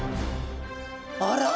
あら！